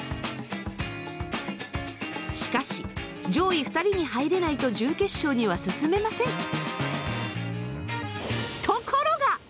しかし上位２人に入れないと準決勝には進めません。